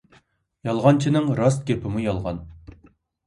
يالغانچىنىڭ راست گېپىمۇ يالغان.